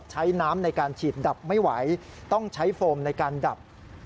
ใช้น้ำในการฉีดดับไม่ไหวต้องใช้โฟมในการดับ